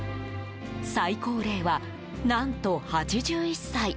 最高齢は何と８１歳！